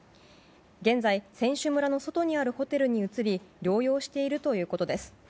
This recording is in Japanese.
現在選手村の外にあるホテルに移り療養しているということです。